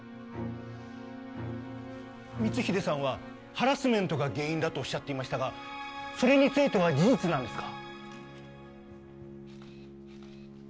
光秀さんはハラスメントが原因だとおっしゃっていましたがそれについては事実なんですか？